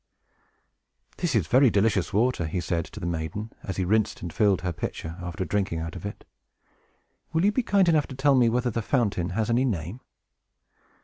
"This is very delicious water," he said to the maiden as he rinsed and filled her pitcher, after drinking out of it. "Will you be kind enough to tell me whether the fountain has any name?"